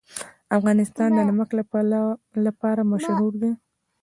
افغانستان د نمک لپاره مشهور دی.